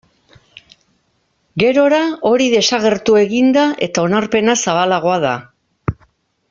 Gerora hori desagertu egin da eta onarpena zabalagoa da.